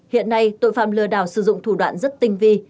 hiện nay tội phạm lừa đảo sử dụng thủ đoạn rất tinh vi